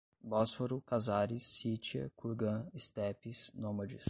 Bósforo, Cazares, Cítia, Kurgan, estepes, nômades